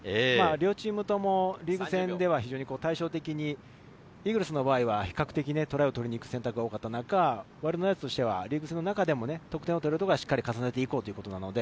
両チームともリーグ戦では対照的に、イーグルスの場合は比較的にトライを取りに行く選択が多い中、ワイルドナイツはリーグ戦の中でも、得点を取れる時はしっかり重ねていこうということなので。